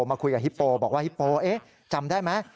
มาคุยกับฮิปโปบอกว่าฮิปโป๊จำได้ไหม